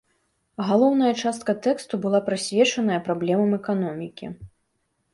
Галоўная частка тэксту была прысвечаная праблемам эканомікі.